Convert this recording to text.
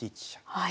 はい。